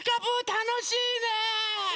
たのしいね。